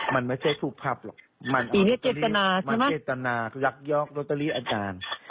มันไม่ใช่ภูมิภาพหรอกมันอาจารย์รักยอกรถตะลี่อาจารย์